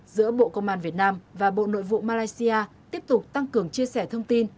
giữa bộ công an việt nam và bộ nội vụ malaysia tiếp tục tăng cường chia sẻ thông tin